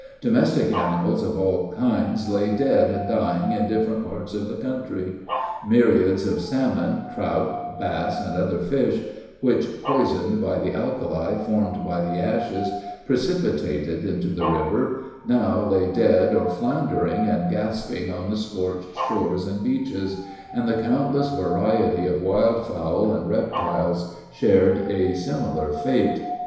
Domestic animals of all kinds lay dead and dying in different parts of the country. Myriads of salmon, trout, bass, and other fish, which, poisoned by the alkali formed by the ashes precipitated into the river, now lay dead or floundering and gasping on the scorched shores and beaches, and the countless variety of wild fowl and reptiles shared a similar fate.